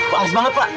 makasih banget pak